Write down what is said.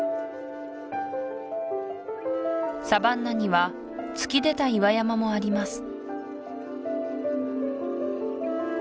サバンナには突き出た岩山もあります